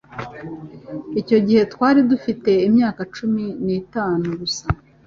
Icyo gihe, twari dufite imyaka cumi n'itanu gusa.